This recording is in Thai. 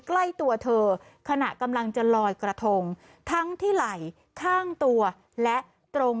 ใกล้ตัวเธอขณะกำลังจะลอยกระทงทั้งที่ไหล่ข้างตัวและตรง